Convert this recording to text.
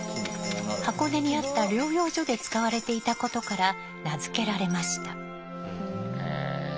箱根にあった療養所で使われていたことから名付けられました。